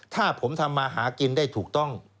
ถ้าผมทำมาหากินได้ถูกต้อง